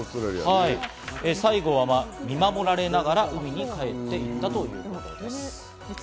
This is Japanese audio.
最後は大勢に見守られながら海に帰っていったということです。